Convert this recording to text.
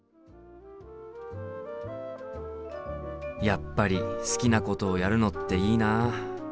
やっぱり好きなことをやるのっていいなあ。